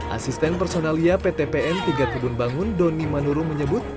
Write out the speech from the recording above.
asisten personalia ptpn tiga kebun bangun doni manuru menyebut